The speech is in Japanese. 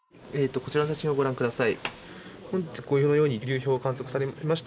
こちらの写真をご覧ください。